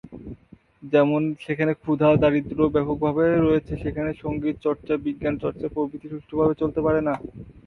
যেমন, যেখানে ক্ষুধা, দারিদ্র্য ব্যাপকভাবে রয়েছে সেখানে সঙ্গীত চর্চা, বিজ্ঞান চর্চা প্রভৃতি সুষ্ঠুভাবে চলতে পারে না।